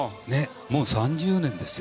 もう３０年ですよ。